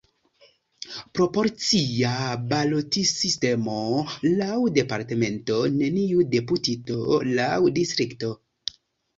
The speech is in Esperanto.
Proporcia balotsistemo laŭ departemento, neniu deputito laŭ distrikto.